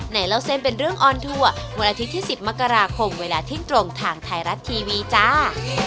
เล่าเส้นเป็นเรื่องออนทัวร์วันอาทิตย์ที่๑๐มกราคมเวลาเที่ยงตรงทางไทยรัฐทีวีจ้า